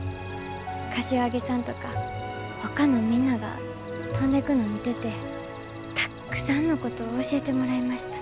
柏木さんとかほかのみんなが飛んでくの見ててたっくさんのことを教えてもらいました。